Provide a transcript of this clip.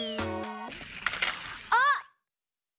あっ！